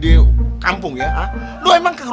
di kampung ya lo emang